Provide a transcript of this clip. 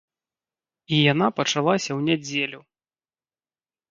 І яна пачалася ў нядзелю.